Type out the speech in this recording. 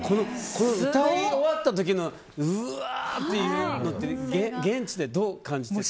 歌い終わったあとのうわーっていうのって現地で、どう感じてた？